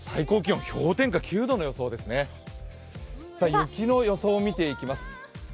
雪の予想を見ていきます。